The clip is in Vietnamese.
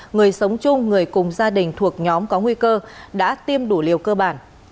người sống chung người cùng gia đình thuộc nhóm có nguy cơ đã tiêm đủ liều cơ bản